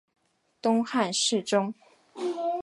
东汉侍中。